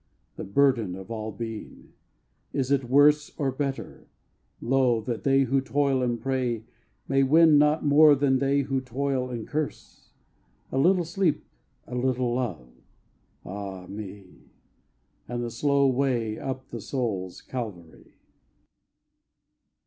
The burden of all being! is it worse Or better, lo! that they who toil and pray May win not more than they who toil and curse? A little sleep, a little love, ah me! And the slow weigh up the soul's Calvary!